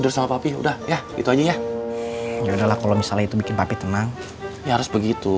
sama papi udah ya gitu aja ya yaudah kalau misalnya itu bikin tapi tenang ya harus begitu